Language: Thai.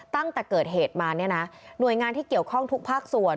ตั้งแต่เกิดเหตุมาเนี่ยนะหน่วยงานที่เกี่ยวข้องทุกภาคส่วน